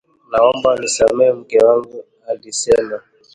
"Naomba unisamehe mke wangu, alisema